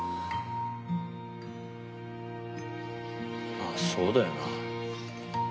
まあそうだよな。